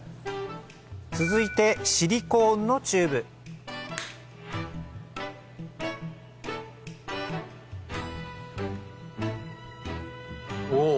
続いてシリコーンのチューブお！